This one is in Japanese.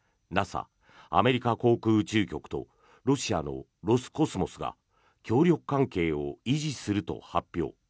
ＮＡＳＡ・アメリカ航空宇宙局とロシアのロスコスモスが協力関係を維持すると発表。